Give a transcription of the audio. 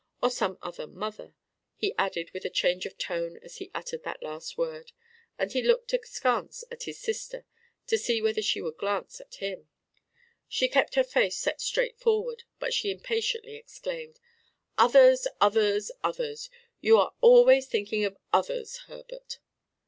Or some other mother," he added with a change of tone as he uttered that last word; and he looked askance at his sister to see whether she would glance at him. She kept her face set straight forward; but she impatiently exclaimed: "Others, others, others! You are always thinking of others, Herbert!" "I am one of them myself!